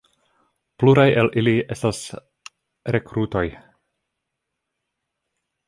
Pluraj el ili estas rekrutoj.